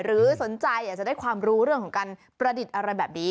หรือสนใจอยากจะได้ความรู้เรื่องของการประดิษฐ์อะไรแบบนี้